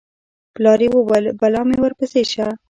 پلار یې وویل: بلا مې ورپسې شه